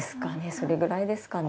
それぐらいですかね。